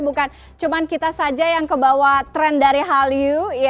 bukan cuma kita saja yang kebawa tren dari hallyu